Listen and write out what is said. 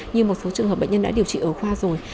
như một số trường hợp bệnh nhân đã điều trị ở khoa rồi